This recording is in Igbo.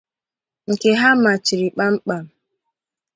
nke ha màchiri kpamkpam